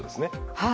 はい。